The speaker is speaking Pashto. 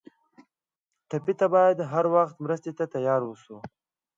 ټپي ته باید هر وخت مرستې ته تیار ووسو.